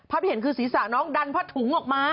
ที่เห็นคือศีรษะน้องดันผ้าถุงออกมา